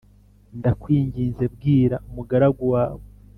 ndakwinginze bwira umugaragu wawe.